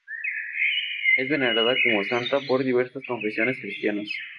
Es venerada como santa por diversas confesiones cristianas.